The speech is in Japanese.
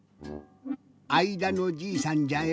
あいだのじいさんじゃよ。